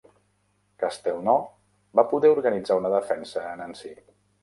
Castelnau va poder organitzar una defensa a Nancy.